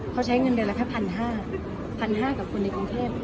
เขาใช้เงินเดือนละแค่พันห้าพันห้ากับคนในกรุงเทศ